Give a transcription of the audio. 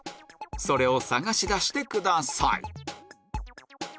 それを探し出してください